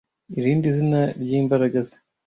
irindi zina ryimbaraga ze